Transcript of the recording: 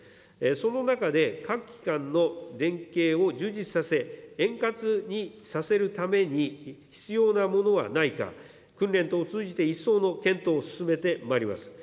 その中で、各機関の連携を充実させ、円滑にさせるために必要なものはないか、訓練等を通じて一層の検討を進めてまいります。